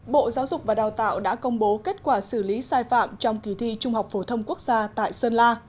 bộ giáo dục và đào tạo đã công bố kết quả xử lý sai phạm trong kỳ thi trung học phổ thông quốc gia tại sơn la